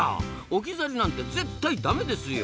置き去りなんて絶対ダメですよ！